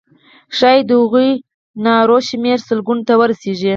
ښایي د هغو نارو شمېر سلګونو ته ورسیږي.